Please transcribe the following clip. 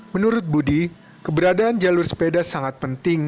menurut budi keberadaan jalur sepeda sangat penting